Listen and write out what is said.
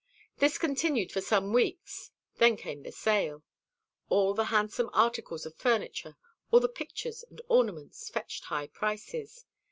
This continued for some weeks; then came the sale. All the handsome articles of furniture, all the pictures and ornaments, fetched high prices.